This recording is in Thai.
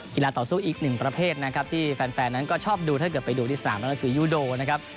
ต่อสู้อีกหนึ่งประเภทนะครับที่แฟนนั้นก็ชอบดูถ้าเกิดไปดูที่สนามนั่นก็คือยูโดนะครับ